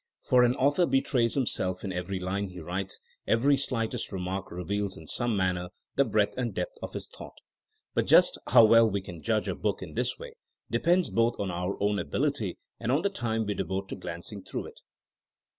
For an author betrays himself in every line he writes ; every slightest remark reveals in some manner the breadth and depth of his thought. But just how well we can judge a book in this way depends both on our own ability and on the time we devote to glanc ing through it.